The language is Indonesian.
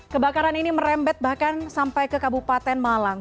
kebakaran ini merembet bahkan sampai ke kabupaten malang